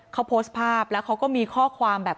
เขาโพสต์ภาพแล้วเขาก็มีข้อความแบบ